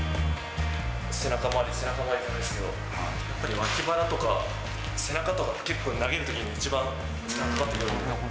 背中周り、背中周りじゃないですけど、やっぱり脇腹とか、背中とか、結構投げるときに、一番負担かかってくるので。